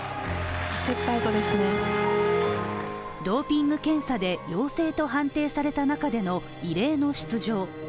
ドーピング検査で陽性と判定された中での異例の出場。